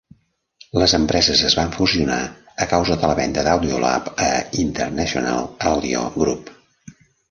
Les empreses es van fusionar a causa de la venda d'Audiolab a International Audio Group.